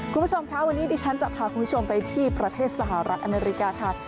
คุณผู้ชมค่ะวันนี้ดิฉันจะพาคุณผู้ชมไปที่ประเทศสหรัฐอเมริกาค่ะ